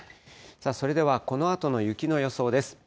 それではこのあとの雪の予想です。